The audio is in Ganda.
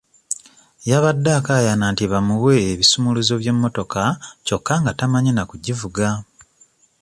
Yabadde akaayana nti bamuwe ebisumuluzo by'emmotoka kyokka nga tamanyi na kugivuga.